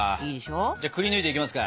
じゃあくりぬいていきますか！